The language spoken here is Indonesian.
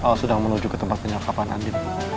lo sudah menuju ke tempat penyelakapan andi